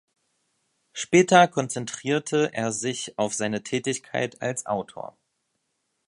Später konzentrierte er sich auf seine Tätigkeit als Autor.